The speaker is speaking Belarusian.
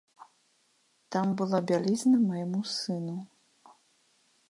Там была бялізна майму сыну.